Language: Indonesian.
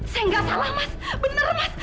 saya gak salah mas bener mas